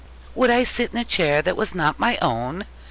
'Would I sit in a chair that was not my own?'